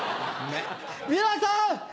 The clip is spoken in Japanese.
皆さん！